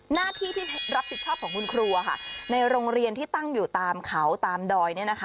หน้าที่ที่รับผิดชอบของคุณครูในโรงเรียนที่ตั้งอยู่ตามเขาตามดอย